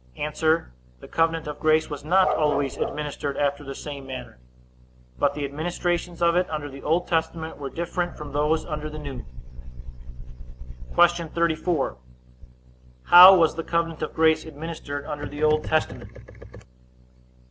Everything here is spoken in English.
A. The covenant of grace was not always administered after the same manner, but the administrations of it under the Old Testament were different from those under the New. Q. 34. How was the covenant of grace administered under the Old Testament?